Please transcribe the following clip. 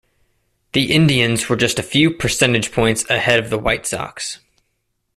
The Indians were just a few percentage points ahead of the White Sox.